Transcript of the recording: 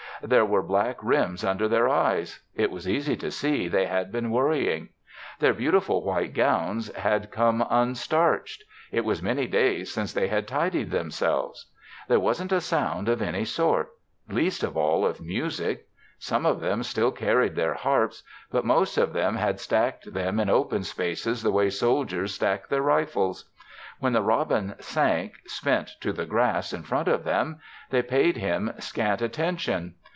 There were black rims under their eyes; it was easy to see they had been worrying. Their beautiful white gowns had come unstarched; it was many days since they had tidied themselves. There wasn't a sound of any sort least of all of music. Some of them still carried their harps; but most of them had stacked them in open spaces the way soldiers stack their rifles. When the robin sank spent to the grass in front of them, they paid him scant attention.